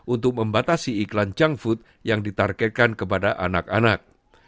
untuk membatasi iklan junk food yang ditargetkan kepada anak anak